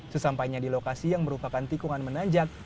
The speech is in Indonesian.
sesampainya di lokasi yang merupakan tikungan menanjak